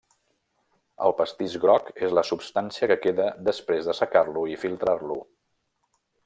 El pastís groc és la substància que queda després assecar-lo i filtrar-lo.